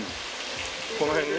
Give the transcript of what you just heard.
この辺ね？